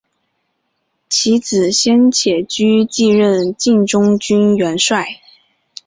其子先且居继任晋中军元帅。